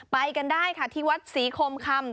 ไปกันได้ค่ะที่วัดศรีคมคำ